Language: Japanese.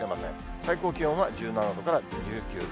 最高気温は１７度から１９度。